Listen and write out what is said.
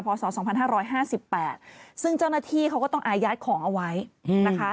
ศ๒๕๕๘ซึ่งเจ้าหน้าที่เขาก็ต้องอายัดของเอาไว้นะคะ